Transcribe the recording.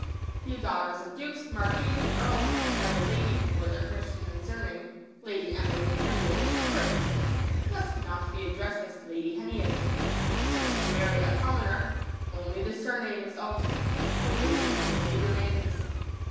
The daughters of dukes, marquises and earls have the title "Lady" before their Christian and surname; "Lady Emily Heneage," for instance, must not be addressed as "Lady Heneage." Should she marry a commoner only the surname is altered, the "Lady Emily" remains.